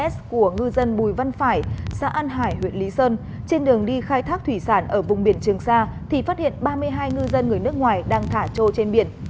trong bùi văn phải xã an hải huyện lý sơn trên đường đi khai thác thủy sản ở vùng biển trường sa thì phát hiện ba mươi hai ngư dân người nước ngoài đang thả trâu trên biển